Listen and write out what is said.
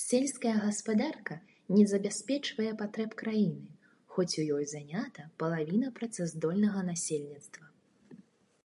Сельская гаспадарка не забяспечвае патрэб краіны, хоць у ёй занята палавіна працаздольнага насельніцтва.